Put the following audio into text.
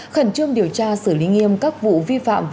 khẩn trương điều tra xử lý nghiêm các vụ vi phạm